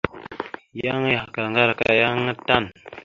Yan ayakal ŋgar aka yan aŋa tan.